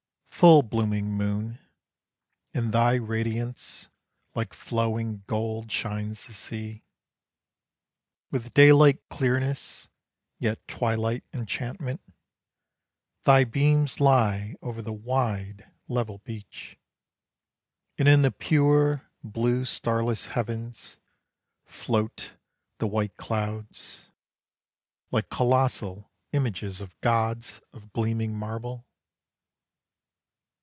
Full blooming moon, in thy radiance, Like flowing gold shines the sea. With daylight clearness, yet twilight enchantment, Thy beams lie over the wide, level beach. And in the pure, blue starless heavens, Float the white clouds, Like colossal images of gods Of gleaming marble.